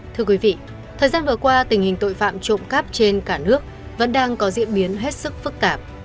thưa quý vị thời gian vừa qua tình hình tội phạm trộm cắp trên cả nước vẫn đang có diễn biến hết sức phức tạp